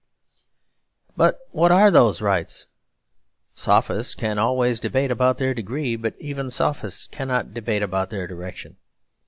But what are those rights? Sophists can always debate about their degree; but even sophists cannot debate about their direction.